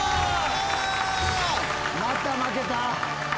また負けた。